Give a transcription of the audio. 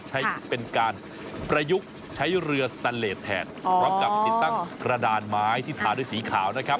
ใช้เป็นการประยุกต์ใช้เรือสแตนเลสแทนพร้อมกับติดตั้งกระดานไม้ที่ทาด้วยสีขาวนะครับ